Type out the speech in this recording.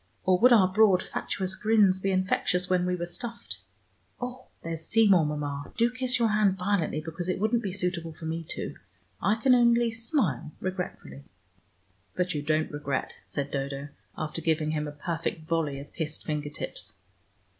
Or would our broad fatuous grins be infectious when we were stuffed? Oh, there's Seymour, Mama. Do kiss your hand violently, because it wouldn't be suitable for me to. I can only smile regretfully." "But you don't regret," said Dodo, after giving him a perfect volley of kissed finger tips.